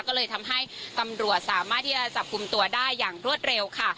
ก็เลยทำให้ตำรวจสามารถที่จะจับกลุ่มตัวได้อย่างรวดเร็วค่ะ